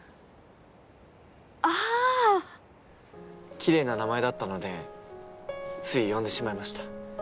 キレイな名前だったのでつい呼んでしまいました。